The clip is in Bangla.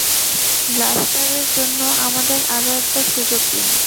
ব্লাস্টারের জন্য আমাদের আরো একবার সুযোগ দিন।